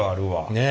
ねえ。